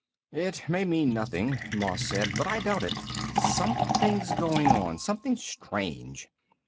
"It may mean nothing," Moss said, "but I doubt it. Something's going on, something strange.